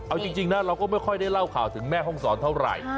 เอาจริงนะเราก็ไม่ค่อยได้เล่าข่าวถึงแม่ห้องศรเท่าไหร่